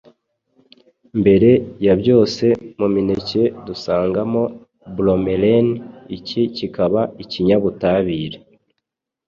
Mbere ya byose mu mineke dusangamo bromelain iki kikaba ikinyabutabire